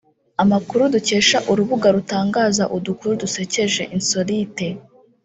Amakuru dukesha urubuga rutangaza udukuru dusekeje(insolite)